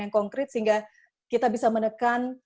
yang konkret sehingga kita bisa menekan